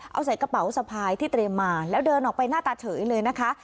เอาใส่กระเป๋าสะพายที่เตรียมมาแล้วเดินออกไปหน้าตาเฉยเลยนะคะ